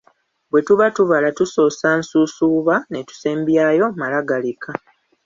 Bwe tuba tubala tusoosa nsuusuuba ne tusembyayo malagaleka.